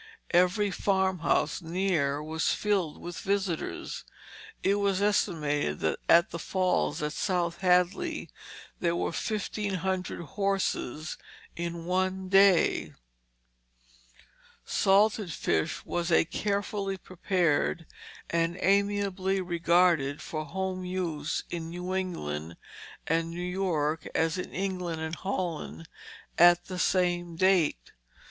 Every farmhouse near was filled with visitors. It was estimated that at the falls at South Hadley there were fifteen hundred horses in one day. Salted fish was as carefully prepared and amiably regarded for home use in New England and New York as in England and Holland at the same date.